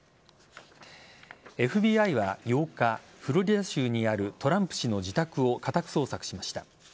ＦＢＩは８日フロリダ州にあるトランプ氏の自宅を家宅捜索しました。